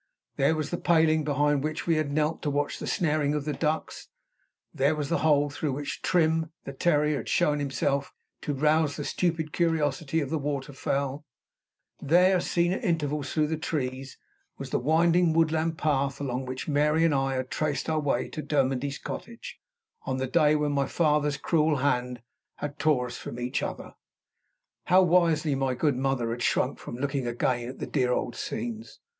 There was the paling behind which we had knelt to watch the snaring of the ducks; there was the hole through which "Trim," the terrier, had shown himself to rouse the stupid curiosity of the water fowl; there, seen at intervals through the trees, was the winding woodland path along which Mary and I had traced our way to Dermody's cottage on the day when my father's cruel hand had torn us from each other. How wisely my good mother had shrunk from looking again at the dear old scenes!